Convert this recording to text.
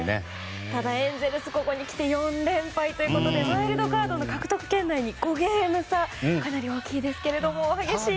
ただ、エンゼルスはここにきて４連敗ということでワイルドカードの獲得圏内に５ゲーム差かなり大きいですが。